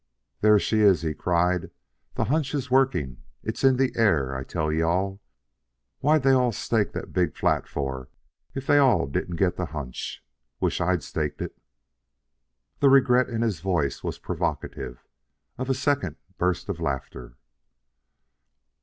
"There she is!" he cried. "The hunch is working! It's in the air, I tell you all! What'd they all stake the big flat for if they all didn't get the hunch? Wish I'd staked it." The regret in his voice was provocative of a second burst of laughter.